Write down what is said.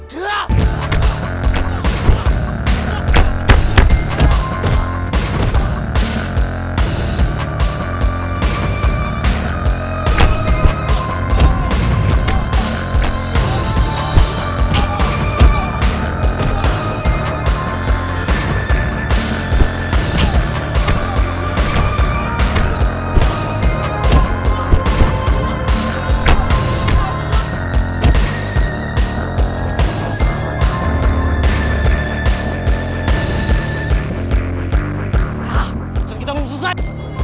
hah sekarang kita mau selesai